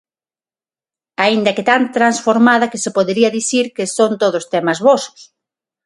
Aínda que tan transformada, que se podería dicir que son todos temas vosos.